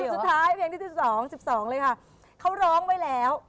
สุดท้ายเพลงที่๑๒๑๒เลยค่ะเขาร้องไว้แล้ว